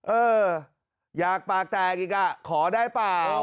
เอออยากปากแตกอีกอ่ะขอได้เปล่า